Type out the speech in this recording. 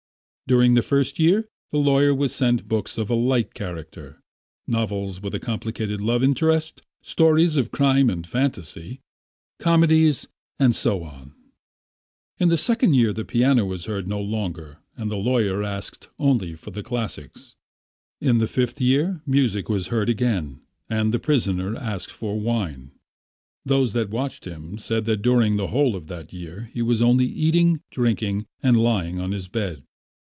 During the first year the lawyer was sent books of a light character; novels with a complicated love interest, stories of crime and fantasy, comedies, and so on. In the second year the piano was heard no longer and the lawyer asked only for classics. In the fifth year, music was heard again, and the prisoner asked for wine. Those who watched him said that during the whole of that year he was only eating, drinking, and lying on his bed.